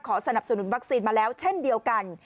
สนับสนุนวัคซีนมาแล้วเช่นเดียวกัน